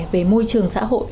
về môi trường xã hội